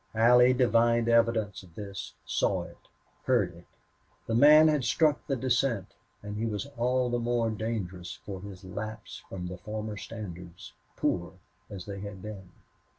Allie divined evidence of this, saw it, heard it. The man had struck the descent, and he was all the more dangerous for his lapse from his former standards, poor as they had been.